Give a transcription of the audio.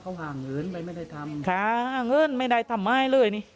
เขาห่างเอิ้นเอิ้นไม่ได้ทำให้เลย